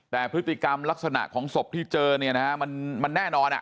แต่พฤติกรรมลักษณะของศพที่เจอเนี่ยนะฮะมันแน่นอน